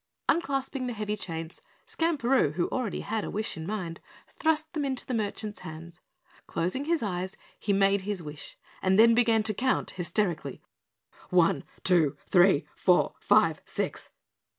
Unclasping the heavy chains, Skamperoo, who already had a wish in mind, thrust them into the merchant's hands. Closing his eyes, he made his wish and then began to count hysterically, "One two three four five six."